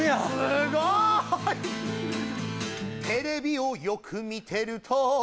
すごい！「テレビをよく見てると」